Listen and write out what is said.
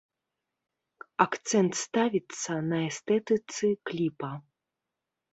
Акцэнт ставіцца на эстэтыцы кліпа.